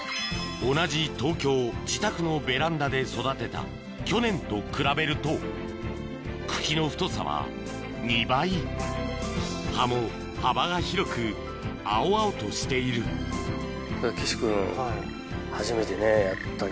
同じ東京自宅のベランダで育てた去年と比べると茎の太さは２倍葉も幅が広く青々としているだから岸君。